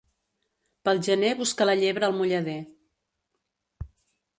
Pel gener busca la llebre el mullader.